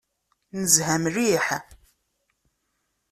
Nezha mliḥ.